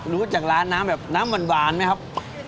รู้จักร้านน้ำแบบน้ำหวานไหมครับ